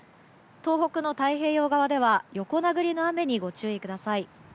東北の太平洋側では横殴りの雨にご注意ください。